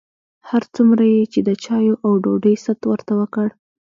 هر څومره یې چې د چایو او ډوډۍ ست ورته وکړ.